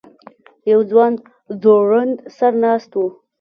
یو ځوان ځوړند سر ناست و.